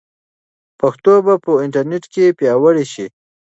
پښتو به په انټرنیټ کې پیاوړې شي.